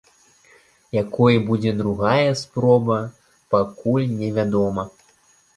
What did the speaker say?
Якой будзе другая спроба, пакуль невядома.